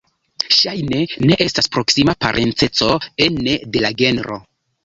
Ŝajne ne estas proksima parenceco ene de la genro.